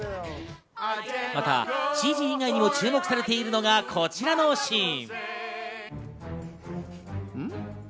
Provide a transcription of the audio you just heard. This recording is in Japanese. またＣＧ以外にも注目されているのがこちらのシーン。